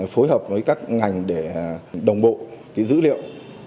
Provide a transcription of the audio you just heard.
phối hợp với các ngành để đồng bộ dữ liệu